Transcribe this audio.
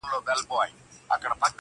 o زما په مرگ دي خوشالي زاهدان هيڅ نکوي.